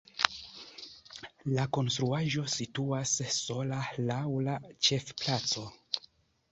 La konstruaĵo situas sola laŭ la ĉefplaco.